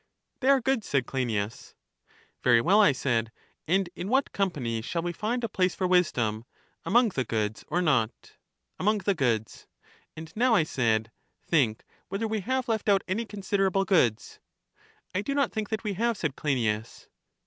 They are goods, said Cleinias. Very well, I said; and in what company shall we find a place for wisdom — among the goods or not ? Among the goods. And now, I said, think whether we have left out any considerable goods. I do not think that we have, said Cleinias.